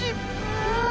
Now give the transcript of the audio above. うわ！